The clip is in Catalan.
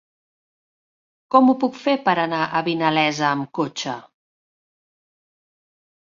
Com ho puc fer per anar a Vinalesa amb cotxe?